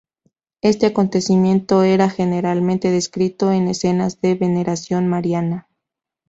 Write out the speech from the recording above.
Este acontecimiento era generalmente descrito en escenas de veneración mariana.